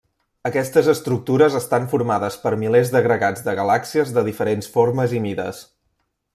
Aquestes estructures estan formades per milers d'agregats de galàxies de diferents formes i mides.